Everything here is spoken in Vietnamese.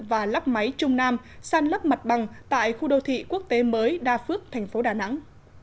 và lắp máy trung nam san lấp mặt bằng tại khu đô thị quốc tế mới đa phước thành phố đà nẵng